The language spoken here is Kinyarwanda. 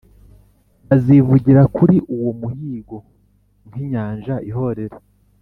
bazivugira kuri uwo muhigo nk inyanja ihorera